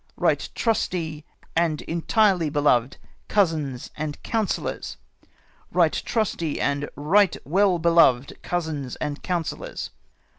Eight trusty and entirely beloved cousins and councillors ! Eight trusty and right well beloved cousins and councillors